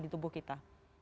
di tubuh kita